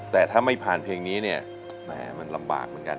แต่ถ้าไม่ผ่านเพลงนี้เนี่ยแหมมันลำบากเหมือนกัน